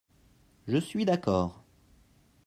Je suis d’accord